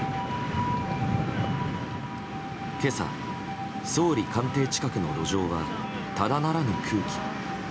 今朝、総理官邸近くの路上はただならぬ空気に。